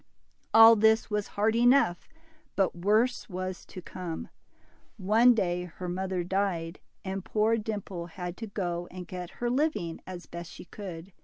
All this was hard enough, but worse was to come. One day her mother died, and poor Dimple had to go and get her living as best she could.